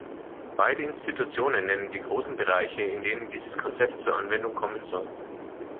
Beide Institutionen nennen die großen Bereiche, in denen dieses Konzept zur Anwendung kommen soll.